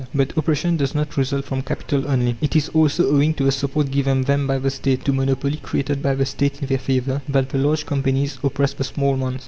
But oppression does not result from Capital only. It is also owing to the support given them by the State, to monopoly created by the State in their favour, that the large companies oppress the small ones.